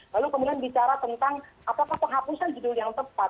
lalu kemudian bicara tentang apakah penghapusan judul yang tepat